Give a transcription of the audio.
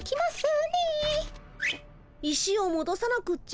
石をもどさなくっちゃ。